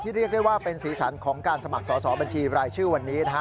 ที่เรียกได้ว่าเป็นศีลสรรค์ของการสมัครสอบบัญชีรายชื่อวันนี้